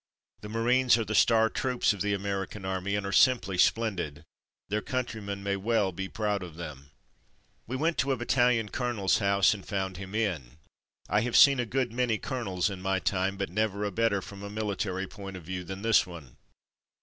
The Marines are the star troops of the American Army, and are simply splendid; their countrymen may well be proud of them. We went to a battalion colonel's house and found him in. I have seen a good many colonels in my time, but never a better from a military point of view than this one.